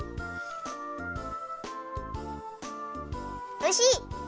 おいしい！